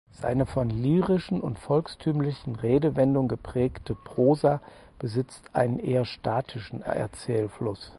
Seine von lyrischen und volkstümlichen Redewendungen geprägte Prosa besitzt einen eher statischen Erzählfluss.